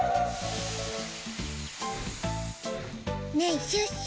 ねえシュッシュ。